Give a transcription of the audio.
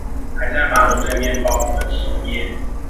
還在馬路對面幫我們守夜